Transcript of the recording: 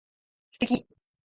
素敵